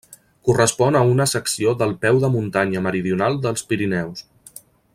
Correspon a una secció del peu de muntanya meridional dels Pirineus.